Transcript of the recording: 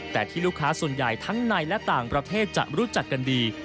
แต่ที่ลูกค้าส่วนใหญ่ทั้งในและต่างประเทศจะรู้จักกันดี